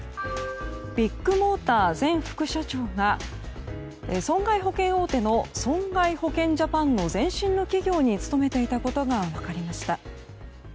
ビッグモーター前副社長が損害保険大手の損害保険ジャパンの前身の企業に勤めていたことが分かりました。